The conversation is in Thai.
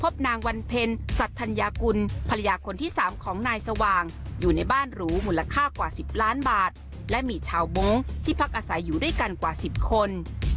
บ้านหรูมูลค่ากว่า๑๐ล้านบาทและมีชาวบงที่พักอาศัยอยู่ด้วยกันกว่า๑๐คน